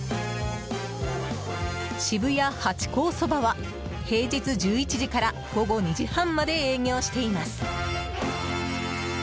渋谷ハチ公そばは平日１１時から午後２時半まで営業しています。